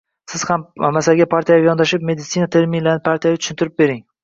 Siz ham masalaga partiyaviy yondashib, meditsina terminlarini partiyaviy tushuntirib bering.